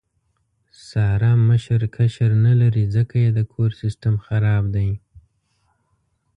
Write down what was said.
ساره مشر کشر نه لري، ځکه یې د کور سیستم خراب دی.